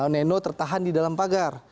neno tertahan di dalam pagar